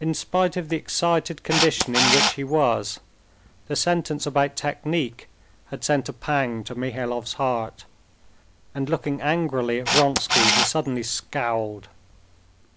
In spite of the excited condition in which he was, the sentence about technique had sent a pang to Mihailov's heart, and looking angrily at Vronsky he suddenly scowled.